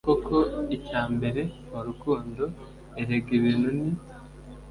koko, icyambere ni urukundo erega ibintu ni